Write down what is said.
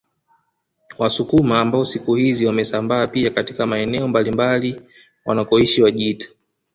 Wasukuma ambao siku hizi wamesambaa pia katika maeneo mbalimbali wanakoishi Wajita